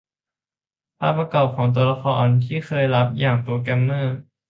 ภาพประกอบ และตัวละครที่เคยลับอย่างโปรแกรมเมอร์